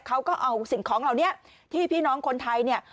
เขาก็เอาสิ่งของเหล่านี้ที่พี่น้องคนไทยเนี่ย